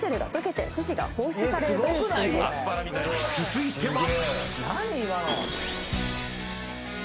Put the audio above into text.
［続いては］